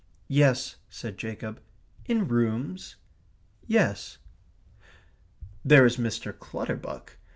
"Yes," said Jacob. "In rooms?" "Yes." "There is Mr. Clutterbuck.